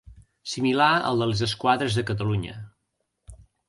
Similar al de les Esquadres de Catalunya.